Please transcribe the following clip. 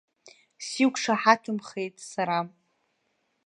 Сиқәшаҳаҭымхеит сара.